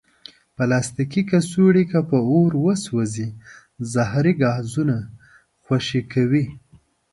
پلاستيکي کڅوړې که په اور وسوځي، زهري ګازونه خوشې کوي.